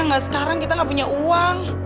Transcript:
gak sekarang kita gak punya uang